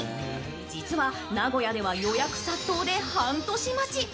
実は名古屋では予約殺到で半年待ち。